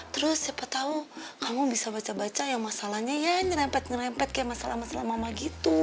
terus siapa tahu kamu bisa baca baca ya masalahnya ya nyerempet nyerempet kayak masalah masalah mama gitu